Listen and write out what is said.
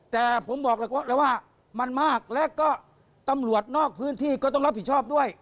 แต่ผมบอกแล้วว่ามันมากและก็ตำรวจนอกพื้นที่ก็ต้องรับผิดชอบด้วย